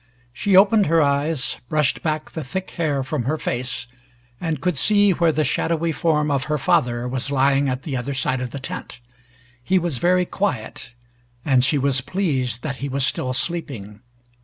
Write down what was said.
She opened her eyes, brushed back the thick hair from her face, and could see where the shadowy form of her father was lying at the other side of the tent. He was very quiet, and she was pleased that he was still sleeping.